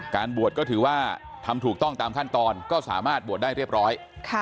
บวชก็ถือว่าทำถูกต้องตามขั้นตอนก็สามารถบวชได้เรียบร้อย